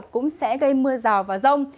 cũng sẽ gây mưa rào và rông